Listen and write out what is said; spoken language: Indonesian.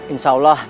insya allah nanti